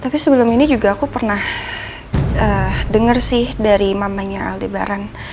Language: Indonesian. tapi sebelum ini juga aku pernah denger sih dari mamanya aldebaran